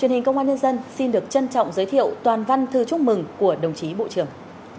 truyền hình công an nhân dân xin được trân trọng giới thiệu toàn văn thư chúc mừng của đồng chí bộ trưởng